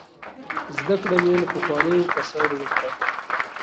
زده کړه مې له پخوانیو کسانو وکړه.